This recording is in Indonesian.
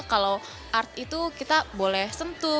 kalau art itu kita boleh sentuh